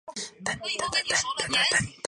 但后来朝直自资正处离反臣从后北条氏。